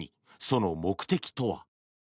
その目的とは。